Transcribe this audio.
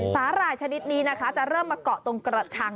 หร่ายชนิดนี้นะคะจะเริ่มมาเกาะตรงกระชัง